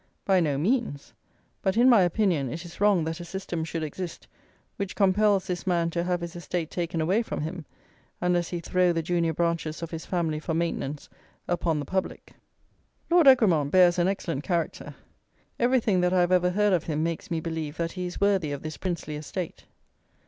By no means; but in my opinion it is wrong that a system should exist which compels this man to have his estate taken away from him unless he throw the junior branches of his family for maintenance upon the public. Lord Egremont bears an excellent character. Everything that I have ever heard of him makes me believe that he is worthy of this princely estate.